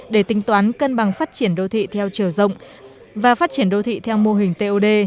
để tính toán cân bằng phát triển đô thị theo chiều rộng và phát triển đô thị theo mô hình tod